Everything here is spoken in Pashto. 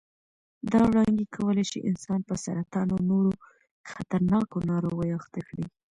دا وړانګې کولای شي انسان په سرطان او نورو خطرناکو ناروغیو اخته کړي.